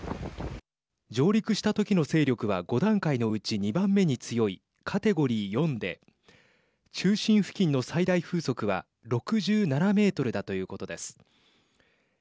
上陸した時の勢力は５段階のうち２番目に強いカテゴリー４で中心付近の最大風速は６７メートルだということです。